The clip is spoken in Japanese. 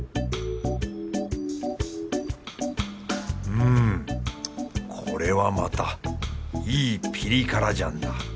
うんこれはまたいいピリ辛醤だ。